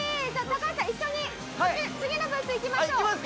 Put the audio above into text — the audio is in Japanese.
高橋さん一緒に次のブースに行きましょう。